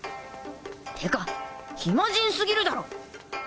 ってか暇人過ぎるだろ